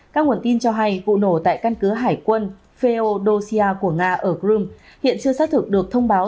các nguồn tin cho hay vụ nổ tại căn cứ hải quân feosia của nga ở crimea hiện chưa xác thực được thông báo